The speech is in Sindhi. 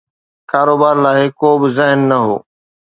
ڪاروبار لاءِ ڪو به ذهن نه هو.